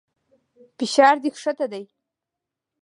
فشار دې کښته دى.